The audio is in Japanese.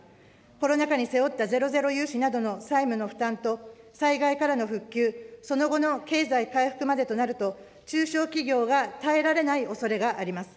コロナ禍に背負ったゼロゼロ融資などの債務の負担と、災害からの復旧、その後の経済回復までとなると、中小企業が耐えられないおそれがあります。